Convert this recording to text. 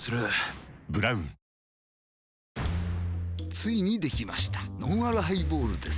ついにできましたのんあるハイボールです